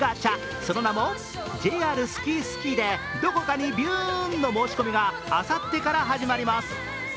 その名もＪＲＳＫＩＳＫＩでどこかにビューンの申し込みがあさってから始まります。